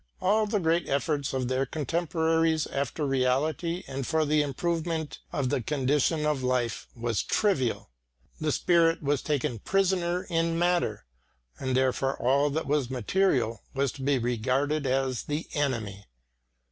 All the great efforts of their contemporaries after reality and for the improvement of the conditions of life was "trivial." The spirit was taken prisoner in matter, and therefore all that was material was to be regarded as the enemy.